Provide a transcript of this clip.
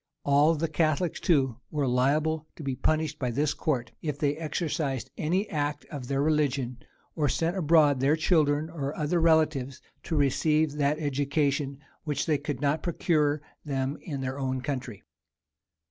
All the Catholics, too, were liable to be punished by this court, if they exercised any act of their religion, or sent abroad their children or other relations to receive that education which they could not procure them in their own country.